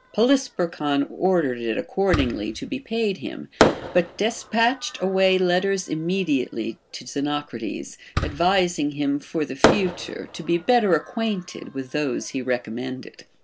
Poly sperchon ordered it accordingly to be paid him, but des patched away letters immediately to Xenocrates, advising him for the future to be better acquainted with those he recommended.